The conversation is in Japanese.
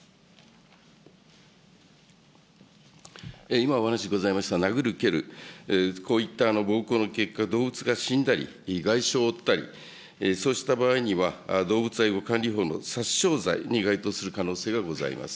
今お話ございました、殴る、蹴る、こういった暴行の結果、動物が死んだり、外傷を負ったり、そうした場合には、動物愛護管理法の殺傷罪に該当する可能性がございます。